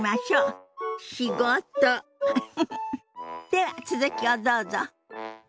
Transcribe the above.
では続きをどうぞ。